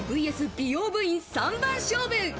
美容部員、３番勝負。